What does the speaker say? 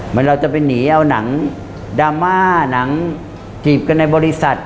เราจะไปหนีเอาหนังดราม่าหนังจีบกันในบริษัท